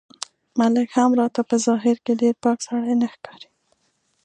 ملک هم راته په ظاهر کې ډېر پاک سړی نه ښکاري.